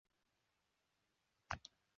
ยังไม่ได้แกะเลย